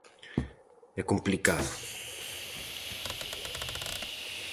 E complicado!